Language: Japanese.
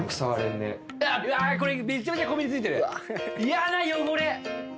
嫌な汚れ！